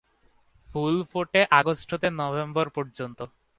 ফুল ফোটে আগস্ট হতে নভেম্বর পর্যন্ত।